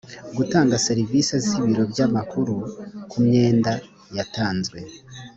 gutanga serivisi z ibiro by amakuru ku myenda yatanzwe